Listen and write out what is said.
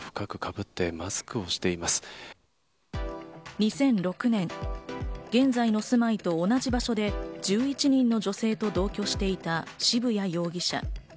２００６年、現在の住まいと同じ場所で１１人の女性と同居していた渋谷容疑者。